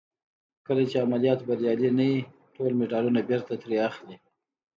کله چې عملیات بریالي نه وي ټول مډالونه بېرته ترې اخلي.